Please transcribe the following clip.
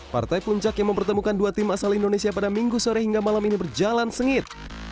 partai puncak yang mempertemukan dua tim asal indonesia pada minggu sore hingga malam ini berjalan sengit